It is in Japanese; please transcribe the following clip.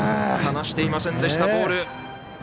離していませんでした、ボール。